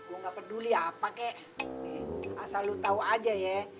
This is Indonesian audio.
gue gak peduli apa kek asal lo tau aja ya